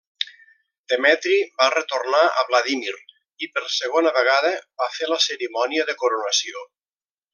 Demetri va retornar a Vladímir i per segona vegada va fer la cerimònia de coronació.